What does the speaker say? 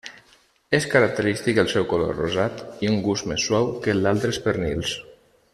És característic el seu color rosat i un gust més suau que el d'altres pernils.